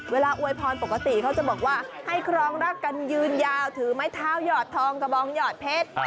อวยพรปกติเขาจะบอกว่าให้ครองรักกันยืนยาวถือไม้เท้าหยอดทองกระบองหยอดเพชร